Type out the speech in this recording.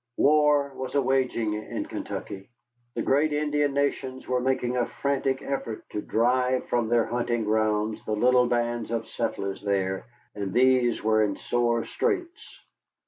War was a waging in Kentucky. The great Indian nations were making a frantic effort to drive from their hunting grounds the little bands of settlers there, and these were in sore straits.